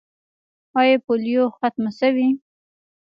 آیا پولیو ختمه شوې؟